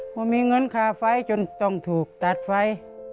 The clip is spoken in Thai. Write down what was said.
พอมีเงินค่าไฟจนต้องถูกตัดไฟ